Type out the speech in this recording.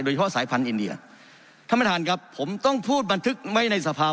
โดยเฉพาะสายพันธุ์อินเดียถ้าไม่ทันครับผมต้องพูดบันทึกไว้ในสภาพ